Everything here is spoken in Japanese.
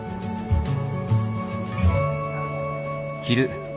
昼。